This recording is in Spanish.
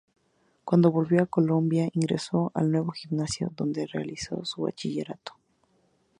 Cuando volvió a Colombia, ingreso al Nuevo Gimnasio donde realizó su bachillerato.